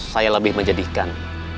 saya lebih menjadikan